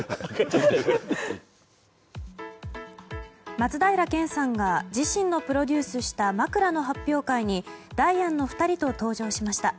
松平健さんが自身のプロデュースした枕の発表会にダイアンの２人と登場しました。